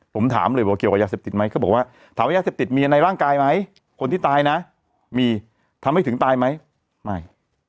ผมถามเลยว่าเกี่ยวกับยาเสพติดไหมเขาบอกว่าถามว่ายาเสพติดมีในร่างกายไหมคนที่ตายนะมีทำให้ถึงตายไหมไม่